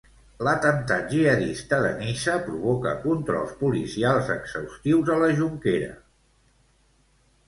L'atemptat jihadista de Niça provoca controls policials exhaustius a la Jonquera.